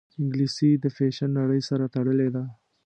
انګلیسي د فیشن نړۍ سره تړلې ده